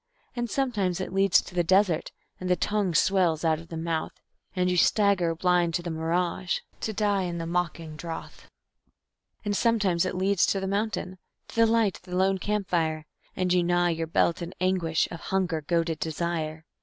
And sometimes it leads to the desert, and the tongue swells out of the mouth, And you stagger blind to the mirage, to die in the mocking drouth. And sometimes it leads to the mountain, to the light of the lone camp fire, And you gnaw your belt in the anguish of hunger goaded desire.